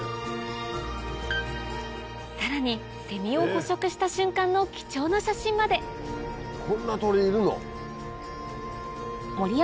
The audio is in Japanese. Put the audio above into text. さらにセミを捕食した瞬間の貴重な写真までこんな鳥いるの？